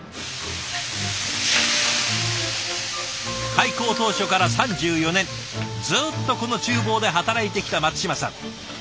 開校当初から３４年ずっとこの厨房で働いてきた松島さん。